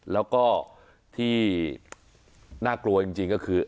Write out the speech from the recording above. แล้วก็ที่น่ากลัวจริงก็คือ